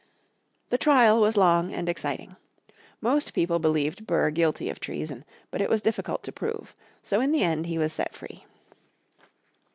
The trial was long and exciting. Most people believed Burr guilty of treason, but it was difficult to prove. So in the end he was set free.